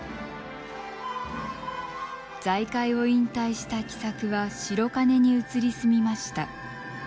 財界を引退した喜作は白金に移り住みました。